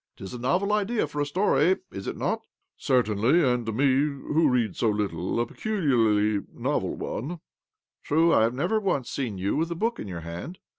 'Tis a novel idea for a story, is it not ?"" Certainly ; and to me who read so little a peculiarly novel one." " True, I have never once seen you with a book in your hand.